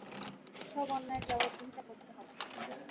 সব অন্যায়ের জবাবদিহি করতে হবে।